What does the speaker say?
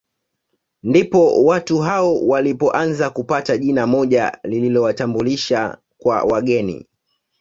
Ndipo watu hao walipoanza kupata jina moja lililowatambulisha kwa wageni